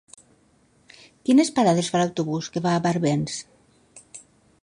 Quines parades fa l'autobús que va a Barbens?